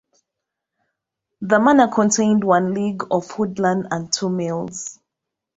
The manor contained one league of woodland and two mills.